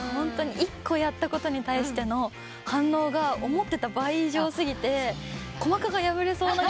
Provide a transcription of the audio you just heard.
１個やったことに対しての反応が思ってた倍以上すぎて鼓膜が破れそうなぐらい。